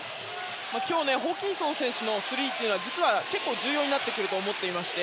今日ホーキンソン選手のスリーは実は結構重要になってくると思っていまして